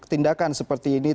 tindakan seperti ini